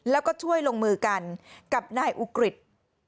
แล้วก็ช่วยลงมือกันกับนายอุกฤษ